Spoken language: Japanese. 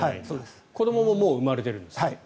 子どもももう生まれてるんですよね。